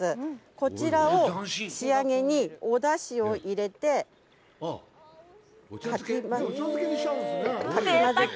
こちらを仕上げにお出汁を入れてかき混ぜて。